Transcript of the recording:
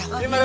yuk mari mari